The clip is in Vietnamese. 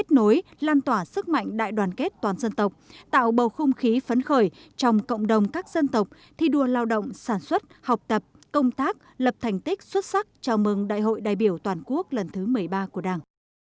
chào mừng đại hội đại biểu toàn quốc lần thứ một mươi ba của đảng